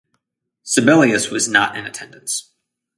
Sibelius was not in attendance.